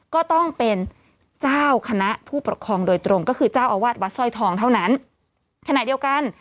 ก็ต้องเป็นเจ้าคณะผู้ปกครองโดยตรงก็คือเจ้าอาวาสวัดสร้อยทองเท่านั้นขณะเดียวกัน